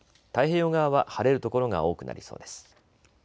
太平洋側は晴れる所が多くなりそうです。